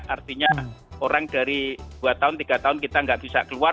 artinya orang dari dua tahun tiga tahun kita nggak bisa keluar